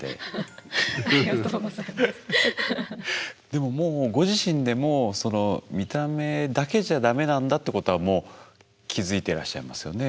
でももうご自身でもその見た目だけじゃダメなんだってことはもう気付いてらっしゃいますよね